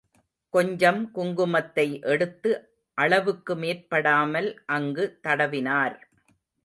கொஞ்சம் குங்குமத்தை எடுத்து அளவுக்கு மேற்படாமல் அங்கு தடவினார்.